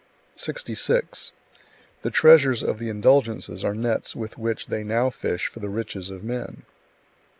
66. The treasures of the indulgences are nets with which they now fish for the riches of men.